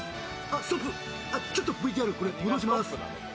ストップ、ちょっとＶＴＲ戻します。